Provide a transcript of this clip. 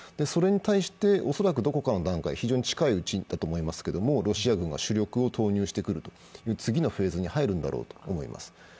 それに対して恐らくどこかの段階、非常に近いうちにだと思いますが、ロシア軍が主力を投入してくる、次のフェーズに入るのだろうと思います。